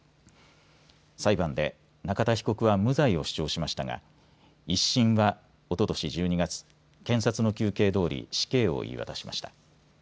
裁判で中田被告は無罪を主張しましたが１審は、おととし１２月、検察の求刑どおり死刑を言い渡しました。